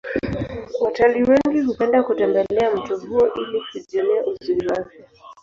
watalii wengi hupenda kutembelea mto huo ili kujionea uzuri wake